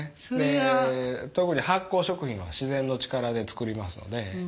特に発酵食品は自然の力で造りますので。